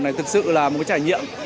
thật sự là một trải nghiệm